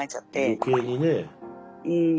余計にね。